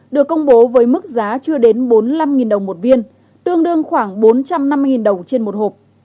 được công bố với mức giá chưa đến bốn mươi năm đồng một viên tương đương khoảng bốn trăm năm mươi đồng trên một hộp